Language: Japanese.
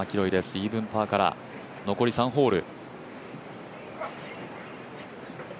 イーブンパーから残り３ホール。